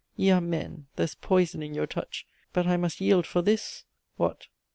ye are men there's poison in your touch. But I must yield, for this" (what?)